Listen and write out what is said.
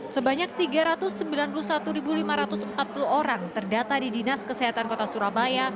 sebanyak tiga ratus sembilan puluh satu lima ratus empat puluh orang terdata di dinas kesehatan kota surabaya